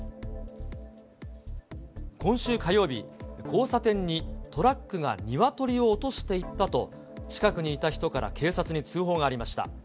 今週火曜日、交差点にトラックがニワトリを落としていったと、近くにいた人から警察に通報がありました。